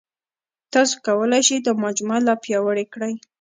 تاسو کولای شئ دا مجموعه لا پیاوړې کړئ.